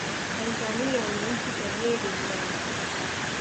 Tanzania ni nchi tajiri duniani